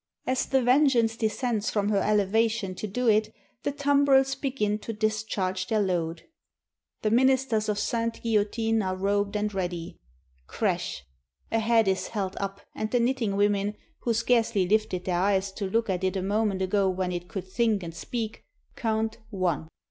As The Vengeance descends from her elevation to do it, the tumbrels begin to discharge their loads. The ministers of Sainte Guillotine are robed and ready. Crash! — A head is held up, and the knitting women, who scarcely lifted their eyes to look at it a moment ago when it could think and speak, count One.